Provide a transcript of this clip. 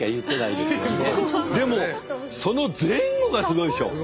でもその前後がすごいでしょ。